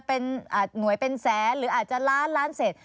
ต้องถามมันเป็นก้อนใหญ่มาก